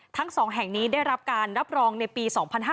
ทั้ง๒แห่งนี้ได้รับการรับรองในปี๒๕๕๙